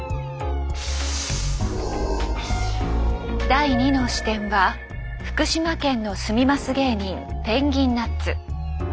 第２の視点は福島県の「住みます芸人」ぺんぎんナッツ。